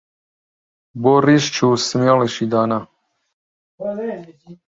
بۆ ڕیش جوو سمێڵیشی دانا